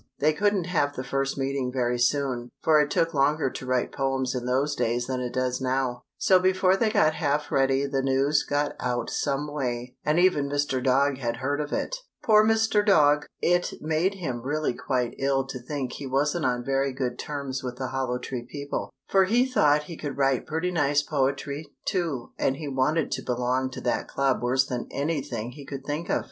They couldn't have the first meeting very soon, for it took longer to write poems in those days than it does now, so before they got half ready the news got out some way, and even Mr. Dog had heard of it. [Illustration: POOR MR. DOG.] Poor Mr. Dog! It made him really quite ill to think he wasn't on very good terms with the Hollow Tree people, for he thought he could write pretty nice poetry, too, and he wanted to belong to that club worse than anything he could think of.